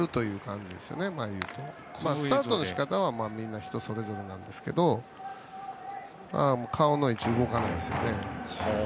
スタートのしかたは人それぞれなんですけど顔の位置が全然動かないですよね。